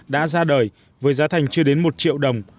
đã ra đời với giá thành chưa đến một triệu đồng